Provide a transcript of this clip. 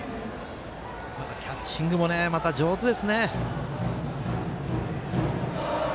キャッチングも上手ですね。